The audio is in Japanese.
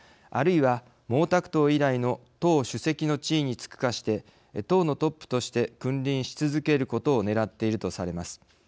あるいは毛沢東以来の党主席の地位に就くかして党のトップとして君臨し続けることをねらっているとされます。